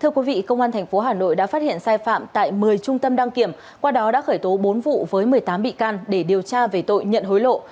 thưa quý vị công an tp hà nội đã phát hiện sai phạm tại một mươi trung tâm đăng kiểm qua đó đã khởi tố bốn vụ với một mươi tám bị can để điều tra về tội nhận hối lộ